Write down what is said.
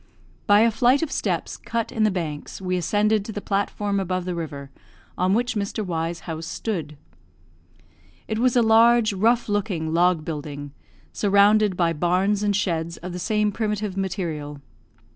By a flight of steps cut in the banks we ascended to the platform above the river on which Mr. Y 's house stood. It was a large, rough looking, log building, surrounded by barns and sheds of the same primitive material.